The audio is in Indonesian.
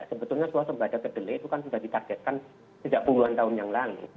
sebetulnya suasembada kedelai itu kan sudah ditargetkan sejak puluhan tahun yang lalu